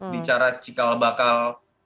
bicara cikal bakal